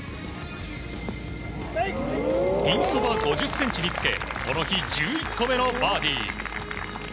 ピンそば５０ｃｍにつけこの日、１１個目のバーディー。